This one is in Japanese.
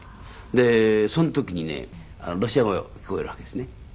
でその時にねロシア語が聞こえるわけですね。